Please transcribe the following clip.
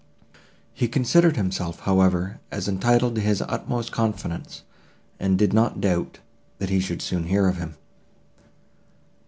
He considered himself, however, as entitled to his utmost confidence, and did not doubt, that he should soon hear of him.